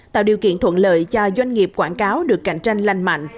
tạo điều kiện thuận lợi cho doanh nghiệp quảng cáo được cạnh tranh lành mạnh